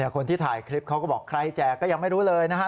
คนที่ถ่ายคลิปเขาก็บอกใครแจกก็ยังไม่รู้เลยนะฮะ